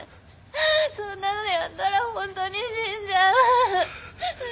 そんなのやったらホントに死んじゃう。